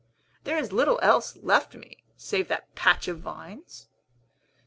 There is little else left me, save that patch of vines.